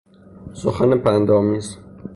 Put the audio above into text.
سخن پندآمیز